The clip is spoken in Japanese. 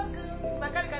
分かるかな？